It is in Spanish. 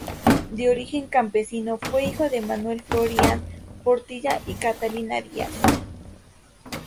De origen campesino, fue hijo de Manuel Florián Portilla y Catalina Díaz.